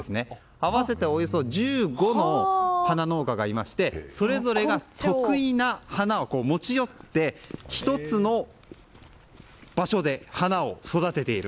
合わせて１５の花農家がいましてそれぞれが得意な花を持ち寄って１つの場所で花を育てている。